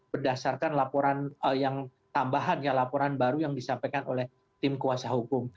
berdasarkan laporan yang tambahan ya laporan baru yang disampaikan oleh tim kuasa hukum